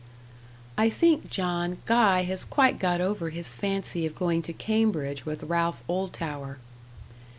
"I think, John, Guy has quite got over his fancy of going to Cambridge with Ralph Oldtower."